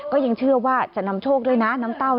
ก็ยังเชื่อว่าจะนำโชคด้วยนะน้ำเต้า